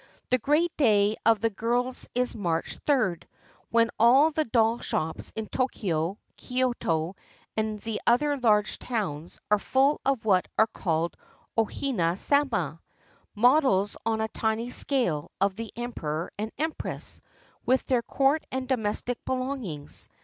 The great day of the girls is March 3, when all the doll shops in Tokyo, Kyoto, and the other large towns, are full of what are called 0 hina sama — models on a tiny scale of the Emperor and Empress, with their court and domestic belongings.